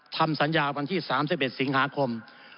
ทำสัญญาวันที่๓๑สิงหาคม